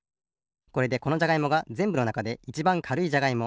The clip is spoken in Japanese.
これでこのじゃがいもがぜんぶのなかでいちばんかるいじゃがいも